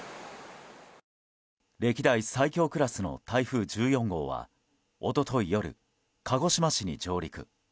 歴代最強クラスの台風１４号は一昨日夜、鹿児島市に上陸。